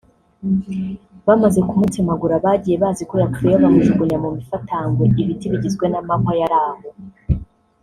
Bamaze kumutemagura bagiye bazi ko yapfuye bamujugunya mu mifatangwe (ibiti bigizwe n’amahwa) yari aho